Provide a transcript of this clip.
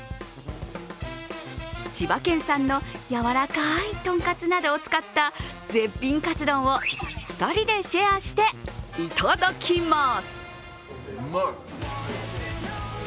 千葉県産の柔らかいとんかつなどを使った絶品カツ丼を２人でシェアしていただきます。